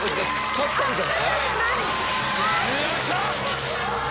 勝ったんじゃない？